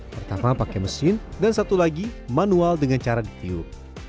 pertama pakai mesin dan satu lagi manual dengan cara ditiup